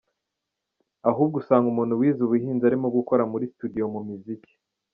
Ahubwo usanga umuntu wize ubuhinzi arimo gukora muri studio mu miziki.